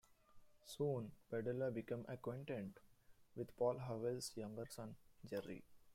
Soon, Berdella became acquainted with Paul Howell's younger son, Jerry.